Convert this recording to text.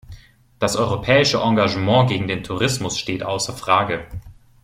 Das europäische Engagement gegen den Terrorismus steht außer Frage.